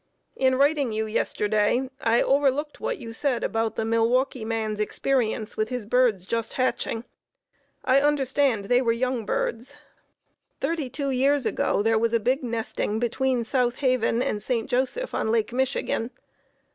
In writing you yesterday, I overlooked what you said about the Milwaukee man's experience with his birds just hatching. I understand they were young birds. Thirty two years ago there was a big nesting between South Haven and St. Joseph on Lake Michigan.